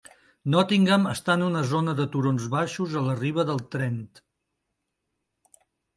Nottingham està en una zona de turons baixos a la riba del Trent.